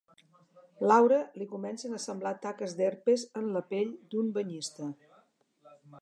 Laura li comencen a semblar taques d'herpes en la pell d'un banyista.